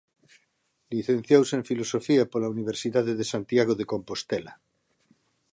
Licenciouse en Filosofía pola Universidade de Santiago de Compostela.